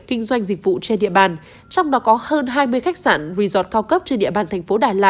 kinh doanh dịch vụ trên địa bàn